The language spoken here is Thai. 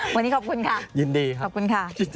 วันนี้ขอบคุณค่ะยินดีครับ